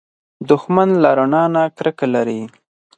دښمن له رڼا نه کرکه لري